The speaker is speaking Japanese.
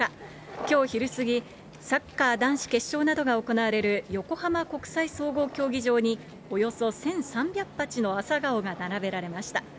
きょう昼過ぎ、サッカー男子決勝などが行われる横浜国際総合競技場に、およそ１３００鉢のアサガオが並べられました。